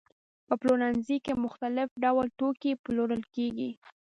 په پلورنځي کې مختلف ډول توکي پلورل کېږي.